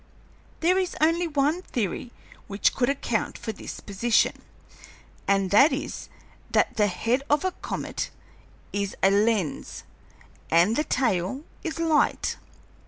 There is only one theory which could account for this position, and that is that the head of a comet is a lens and the tail is light.